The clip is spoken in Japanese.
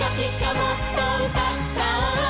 もっと歌っちゃおう！」